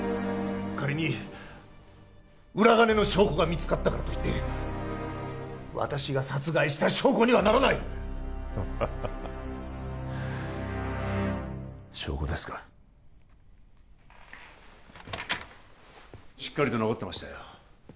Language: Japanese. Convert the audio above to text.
仮に裏金の証拠が見つかったからといって私が殺害した証拠にはならないハハハハ証拠ですかしっかりと残ってましたよ